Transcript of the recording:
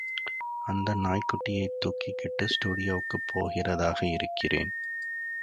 அந்த நாய்க்குட்டியைத் தூக்கிக்கிட்டு ஸ்டுடியோவுக்கு போகிறதாக இருந்தேன்.